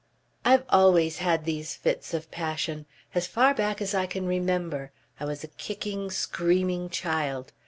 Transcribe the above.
"I've always had these fits of passion. As far back as I can remember. I was a kicking, screaming child.